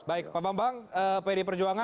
baik pak bambang pd perjuangan